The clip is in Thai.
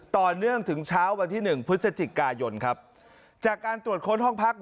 ต่อเนื่องถึงเช้าวันที่หนึ่งพฤศจิกายนครับจากการตรวจค้นห้องพัก